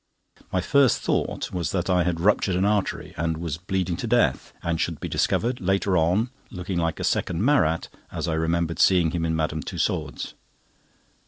My first thought was that I had ruptured an artery, and was bleeding to death, and should be discovered, later on, looking like a second Marat, as I remember seeing him in Madame Tussaud's.